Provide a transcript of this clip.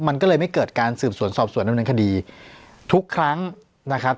มันก็เลยไม่เกิดการสืบสวนสอบสวนดำเนินคดีทุกครั้งนะครับ